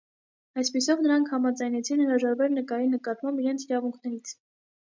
Այսպիսով նրանք համաձայնեցին հրաժարվել նկարի նկատմամբ իրենց իրավունքներից։